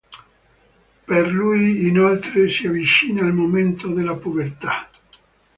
Per lui, inoltre, si avvicina il momento della pubertà.